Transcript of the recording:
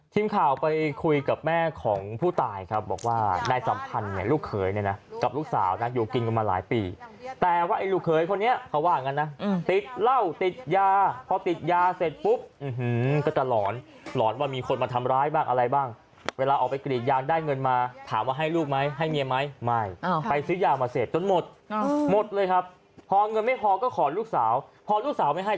ทีมข่าวไปคุยกับแม่ของผู้ตายครับบอกว่านายสัมพันธ์เนี่ยลูกเขยเนี่ยนะกับลูกสาวนะอยู่กินกันมาหลายปีแต่ว่าไอ้ลูกเขยคนนี้เขาว่างั้นนะติดเหล้าติดยาพอติดยาเสร็จปุ๊บก็จะหลอนหลอนว่ามีคนมาทำร้ายบ้างอะไรบ้างเวลาออกไปกรีดยางได้เงินมาถามว่าให้ลูกไหมให้เมียไหมไม่ไปซื้อยามาเสพจนหมดหมดเลยครับพอเงินไม่พอก็ขอลูกสาวพอลูกสาวไม่ให้